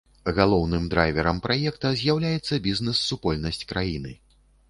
Галоўным драйверам праекта з'яўляецца бізнес-супольнасць краіны.